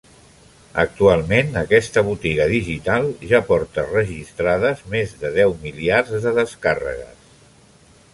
Actualment aquesta botiga digital ja porta registrades més de deu miliards de descàrregues.